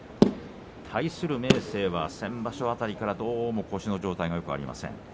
対する明生は先場所辺りからどうも腰の状態がよくありません。